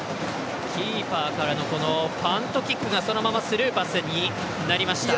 キーパーからのパントキックが、そのままスルーパスになりました。